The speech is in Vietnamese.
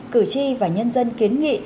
cử tri và nhân dân kiến nghị